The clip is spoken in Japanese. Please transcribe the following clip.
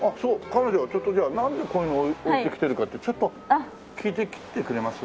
彼女はちょっとじゃあなんでこういうの置いてきてるかってちょっと聞いてきてくれます？